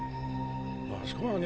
あそこはね